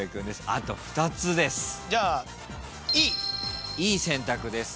あと２つです。